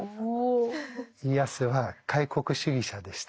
家康は開国主義者でした。